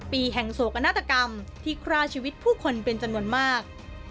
ปีแห่งโศกนาฏกรรมที่ฆ่าชีวิตผู้คนเป็นจำนวนมาก